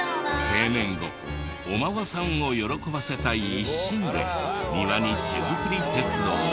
定年後お孫さんを喜ばせたい一心で庭に手作り鉄道を。